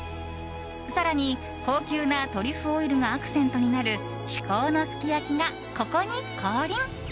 更に高級なトリュフオイルがアクセントになる至高のすき焼きがここに降臨！